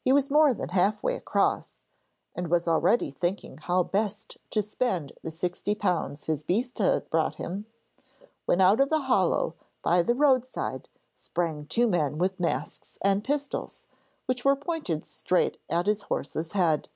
He was more than half way across, and was already thinking how best to spend the sixty pounds his beasts had brought him, when out of a hollow by the roadside sprang two men with masks and pistols, which were pointed straight at his horse's head.